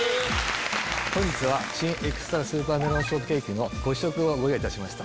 本日は新エクストラスーパーメロンショートケーキのご試食をご用意いたしました。